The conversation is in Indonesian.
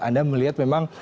anda melihat memang